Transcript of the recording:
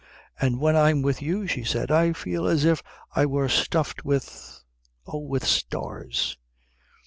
"And when I'm with you," she said, "I feel as if I were stuffed with oh, with stars."